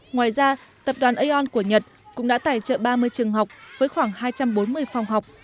ngoài ra tập đoàn aon của nhật cũng đã tài trợ ba mươi trường học với khoảng hai trăm bốn mươi phòng học